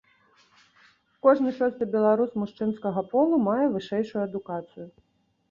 Кожны шосты беларус мужчынскага полу мае вышэйшую адукацыю.